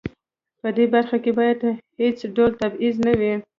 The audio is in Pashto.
په دې برخه کې باید هیڅ ډول تبعیض نه وي.